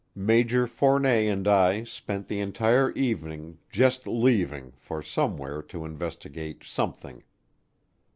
Major Fournet and I spent the entire morning "just leaving" for somewhere to investigate "something."